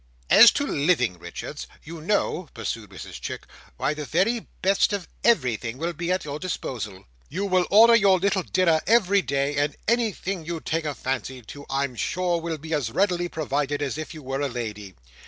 "As to living, Richards, you know," pursued Mrs Chick, "why, the very best of everything will be at your disposal. You will order your little dinner every day; and anything you take a fancy to, I'm sure will be as readily provided as if you were a Lady."